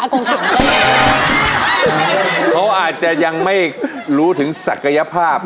อากงถามใช่ไหมเขาอาจจะยังไม่รู้ถึงศักยภาพ